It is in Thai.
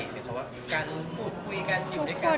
หรือว่าการพูดคุยกันอยู่ด้วยกัน